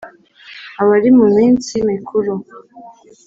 abari mu minsi mikuru!